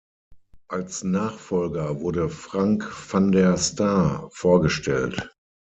Als Nachfolger wurde Frank van der Star vorgestellt.